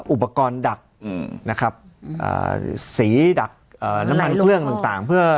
อุปกรณ์ดักนะครับสีดักน้ำมันเครื่องต่างต่างเพื่อ